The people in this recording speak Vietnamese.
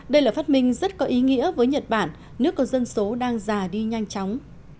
đây là phát minh rất có ý nghĩa với nhật bản nước có dân số đang già đi nhanh chóng